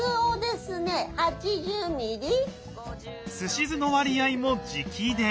すし酢の割合も直伝。